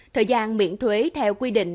thời gian miễn thuế theo quy định